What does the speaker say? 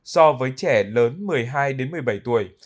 so với trẻ lớn một mươi hai một mươi bảy tuổi